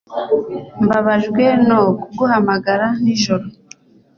Mbabajwe no kuguhamagara nijoro